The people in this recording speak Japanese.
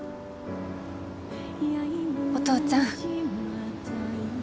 お父ちゃん